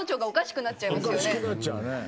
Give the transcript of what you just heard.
おかしくなっちゃうね。